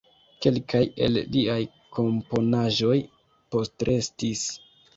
Kelkaj el liaj komponaĵoj postrestis.